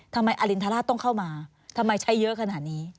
ทำไมอรินทราชต้องเข้ามาทำไมใช้เยอะขนาดนี้